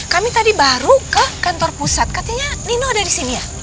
kami tadi baru ke kantor pusat katanya nino ada di sini ya